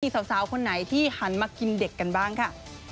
สาวคนไหนที่หันมากินเด็กกันบ้างค่ะ